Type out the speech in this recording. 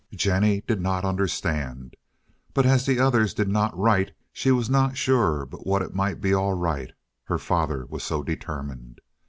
Jennie did not understand, but as the others did not write, she was not sure but what it might be all right—her father was so determined.